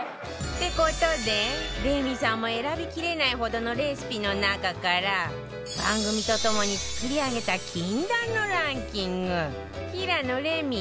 って事でレミさんも選びきれないほどのレシピの中から番組とともに作り上げた禁断のランキング平野レミ生涯名作レシピ